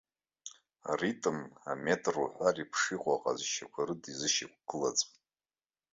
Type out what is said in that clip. Аритм, аметр уҳәа реиԥш иҟоу аҟазшьақәа рыда изышьақәгылаӡом.